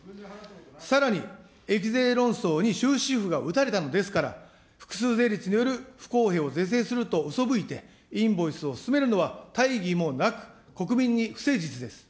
さらに益税論争に終止符が打たれたのですから、複数税率による不公平を是正するとうそぶいてインボイスを進めるのは大義もなく、国民に不誠実です。